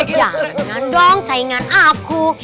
jangan dong saingan aku